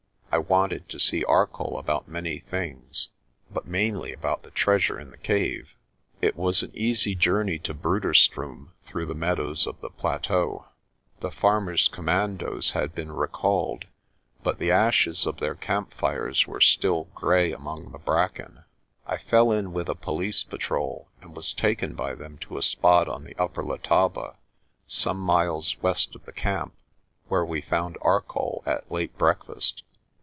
I wanted to see Arcoll rbout many things, but mainly about the treasure in the cave. It was an easy journey to Bruderstroom through the meadows of the plateau. The farmers' commandoes had been recalled, but the ashes of their camp fires were still grey among the bracken. I fell in with a police patrol and was taken by them to a spot on the Upper Letaba, some miles west of the camp, where we found Arcoll at late breakfast.